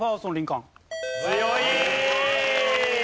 強い！